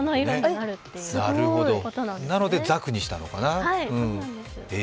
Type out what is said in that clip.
なのでザクにしたのかな、へえ。